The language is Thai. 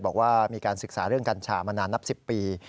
บอกว่ามีการศึกษาเรื่องกัญชามานานนับ๑๐ปี